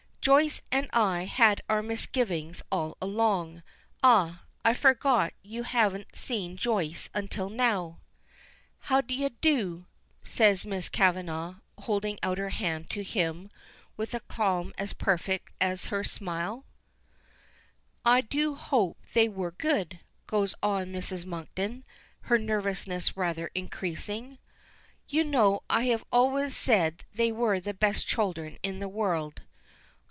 Joyce and I had our misgivings all along. Ah, I forgot, you haven't seen Joyce until now." "How d'ye do?" says Miss Kavanagh, holding out her hand to him, with a calm as perfect as her smile. "I do hope they were good," goes on Mrs. Monkton, her nervousness rather increasing. "You know I have always said they were the best children in the world."